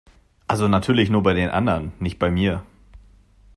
Also natürlich nur bei den anderen, nicht bei mir!